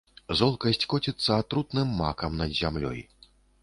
Золкасць коціцца атрутным макам над зямлёй.